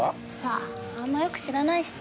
あんまよく知らないし。